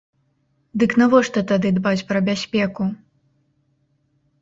Дык навошта тады дбаць пра бяспеку?